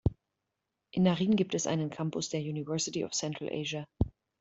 In Naryn gibt es einen Campus der University of Central Asia.